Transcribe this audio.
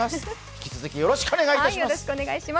引き続きよろしくお願いいたします。